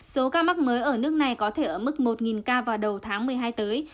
số ca mắc mới ở nước này có thể ở mức một ca vào đầu tháng một mươi hai tới